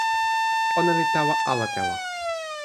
ona li tawa ala telo.